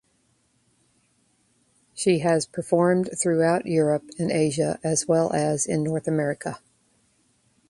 She has performed throughout Europe and Asia as well as in North America.